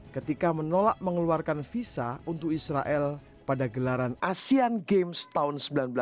ketika menolak mengeluarkan visa untuk israel pada gelaran asean games tahun seribu sembilan ratus delapan puluh